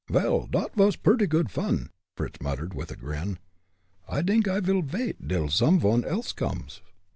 "Vel, dot vas purdy goot fun," Fritz muttered with a grin. "I dink I vil vait dil some vone else comes."